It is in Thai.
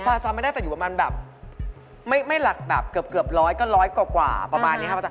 จำไม่ได้แต่อยู่ประมาณแบบไม่หลักแบบเกือบร้อยก็ร้อยกว่าประมาณนี้ครับอาจาร